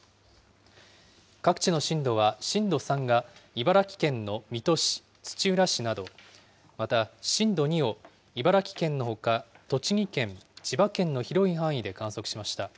各地の震度は震度３が茨城県の水戸市、土浦市など、また震度２を、茨城県のほか、栃木県、千葉県の広い範囲で観測しました。